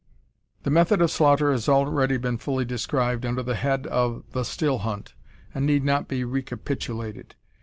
The method of slaughter has already been fully described under the head of "the still hunt," and need not be recapitulated.